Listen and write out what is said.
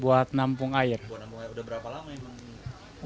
buat nampung air udah berapa lama emang